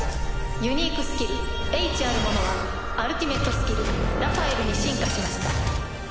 ユニークスキル大賢者はアルティメットスキル智慧之王に進化しました。